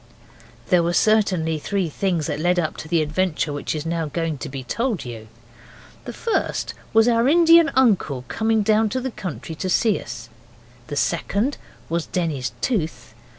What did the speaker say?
There were certainly three things that led up to the adventure which is now going to be told you. The first was our Indian uncle coming down to the country to see us. The second was Denny's tooth.